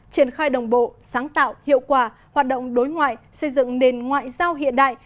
triển khai đồng bộ sáng tạo hiệu quả hoạt động đối ngoại xây dựng nền ngoại giao hiện đại